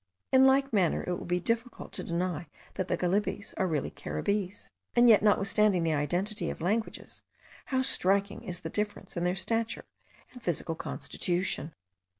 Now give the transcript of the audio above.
In like manner it would be difficult to deny that the Galibis are really Caribbees; and yet, notwithstanding the identity of languages, how striking is the difference in their stature and physical constitution!